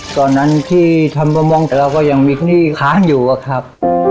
ตอนนั้นที่ทำประมงแต่เราก็ยังมีหนี้ค้างอยู่อะครับ